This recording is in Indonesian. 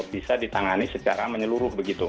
bisa ditangani secara menyeluruh